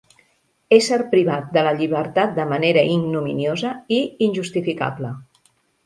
Ésser privat de la llibertat de manera ignominiosa i injustificable.